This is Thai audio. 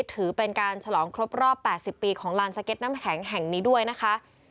ถือเป็นการฉลองครบรอบ๘๐ปีของลานสเก็ตน้ำแข็งแห่งนี้ด้วยนะคะ